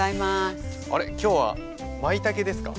あれ今日はまいたけですか？